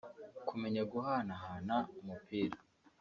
kumenya guhanahana umupira